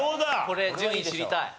これ順位知りたい。